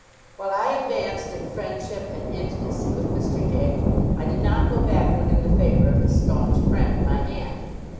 While I advanced in friendship and intimacy with Mr. Dick, I did not go backward in the favour of his staunch friend, my aunt.